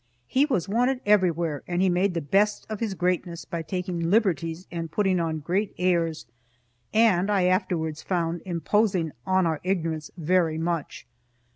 He was wanted everywhere, and he made the best of his greatness by taking liberties and putting on great airs and, I afterwards found, imposing on our ignorance very much.